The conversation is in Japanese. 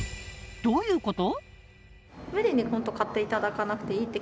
どういうこと？